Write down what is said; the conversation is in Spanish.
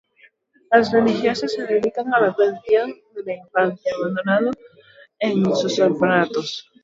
Las religiosas se dedican a la atención de la infancia abandonada en sus orfanatos.